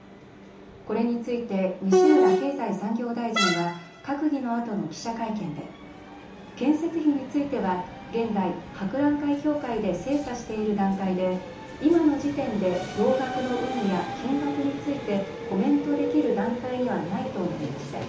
これについて西村経済産業大臣は閣議のあとの記者会見で建設費については現在、博覧会協会で精査している段階で今の時点で増額の有無や金額についてコメントできる段階にはないと述べました。